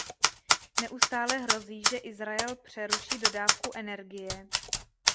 Neustále hrozí, že Izrael přeruší dodávku energie.